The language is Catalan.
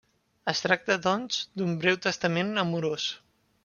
Es tracta, doncs, d'un breu testament amorós.